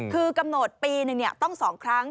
คือกำหนดปีหนึ่งต้อง๒ครั้ง